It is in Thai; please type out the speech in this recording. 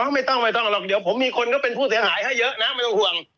ไม่ต้องไม่ต้องหรอกเดี๋ยวผมมีคนเขาเป็นผู้เสียหายให้เยอะนะไม่ต้องห่วง